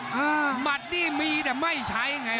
ภูตวรรณสิทธิ์บุญมีน้ำเงิน